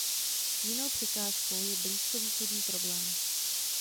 Jinou překážkou je blízkovýchodní problém.